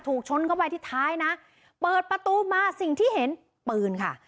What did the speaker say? ถูกชนเข้าไปที่ท้ายนะเปิดประตูมาสิ่งที่เห็นปืนค่ะ